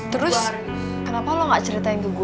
terus kenapa lo gak ceritain ke gue